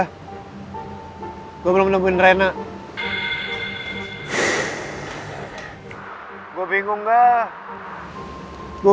ya udah oke kalau gitu take care siap aman kok